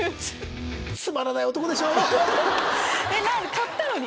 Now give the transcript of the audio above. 買ったのに？